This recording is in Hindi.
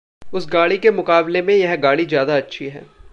उस गाड़ी के मुकाबले में यह गाड़ी ज़्यादा अच्छी है।